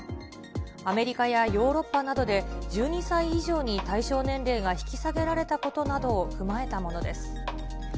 アメリカやヨーロッパなどで、１２歳以上に対象年齢が引き下げられたことなどを踏まえたものです。